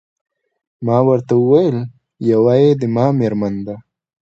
ما ورته وویل: یوه يې زما میرمن ده.